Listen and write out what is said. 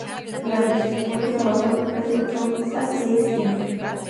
Durante sus estudios, trabajó en la Empresa Electronics Associates Inc.